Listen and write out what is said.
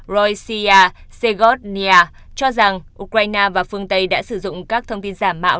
roysia segodnya cho rằng ukraine và phương tây đã sử dụng các thông tin giả mạo